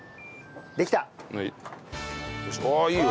ああいいよ。